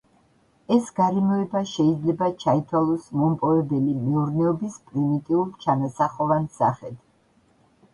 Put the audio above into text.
ეს გარემოება შეიძლება ჩაითვალოს მომპოვებელი მეურნეობის პრიმიტიულ, ჩანასახოვან სახედ.